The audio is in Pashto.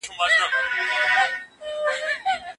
اسلامي نظام د شخص او ټولني ترمنځ توازن ساتي.